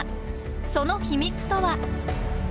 その秘密とは。